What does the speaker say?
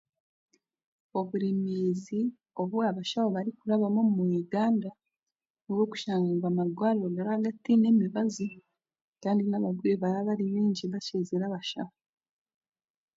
Oburemeezi obu abashaho barikurabamu omu Uganda n'okushanga amarwariro garaba gataine mibazi kandi n'abarwaire baraba bari baingi bakizire abashaho.